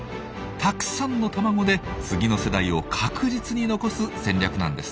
たくさんの卵で次の世代を確実に残す戦略なんです。